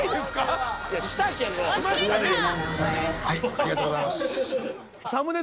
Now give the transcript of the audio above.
ありがとうございます。